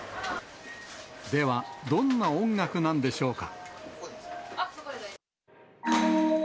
では、どんな音楽なんでしょうか。